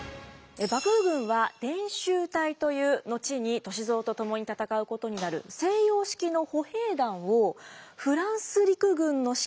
幕府軍は伝習隊という後に歳三と共に戦うことになる西洋式の歩兵団をフランス陸軍の指揮で編制しました。